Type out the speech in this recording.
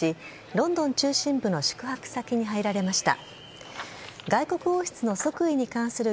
ロンドン中心部の宿泊先に入られました。